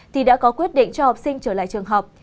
thì đã có quyết định cho học sinh trở lại trường học